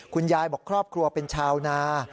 คุณยายบอกครอบครัวเป็นชาวนา